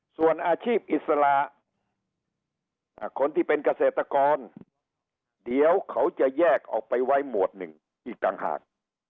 ส่วนอาชีพอิสระคนที่เป็นเกษตรกรเดี๋ยวเขาจะแยกออกไปไว้หมวดหนึ่งอีกต่างหาก